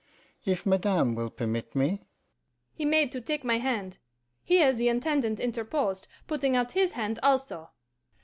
If Madame will permit me?' He made to take my hand. Here the Intendant interposed, putting out his hand also.